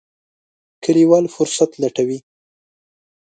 کلیوال فرصت لټوي.